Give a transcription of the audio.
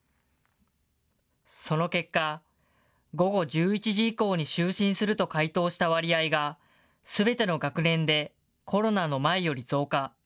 その結果、午後１１時以降に就寝すると回答した割合が、すべての学年でコロナの前より増加。